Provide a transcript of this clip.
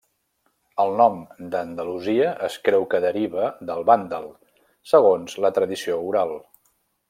El nom d'Andalusia es creu que deriva del vàndal, segons la tradició oral.